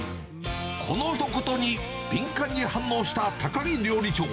このひと言に敏感に反応した高木料理長。